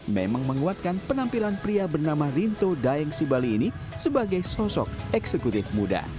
memang menguatkan penampilan pria bernama rinto daeng sibali ini sebagai sosok eksekutif muda